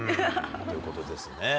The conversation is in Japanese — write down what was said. ということですね。